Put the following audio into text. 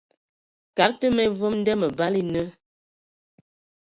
Kad tə ma vom nda məbala e nə.